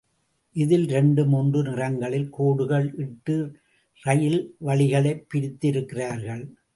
இதில் இரண்டு மூன்று நிறங்களில் கோடுகள் இட்டு ரயில் வழிகளைப் பிரித்து இருக்கிறார்கள்.